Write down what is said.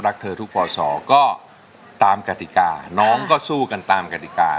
รักเธอทุกป่อสอก็ตามกฎิกาน้องก็สู้กันตามกฎิกา